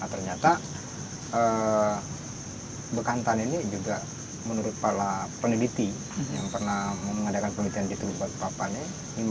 nah ternyata bekantan ini juga menurut peneliti yang pernah mengadakan penelitian di turug banipapa ini